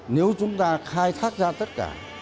nếu chúng ta khai thác ra tất cả